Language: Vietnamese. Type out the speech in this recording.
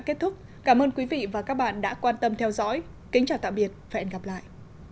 kết thúc cảm ơn quý vị và các bạn đã quan tâm theo dõi kính chào tạm biệt và hẹn gặp lại